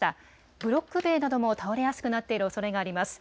ブロック塀なども倒れやすくなっているおそれがあります。